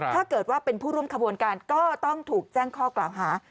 ถ้าเกิดว่าเป็นผู้ร่วมขบวนการก็ต้องถูกแจ้งข้อกล่าวหา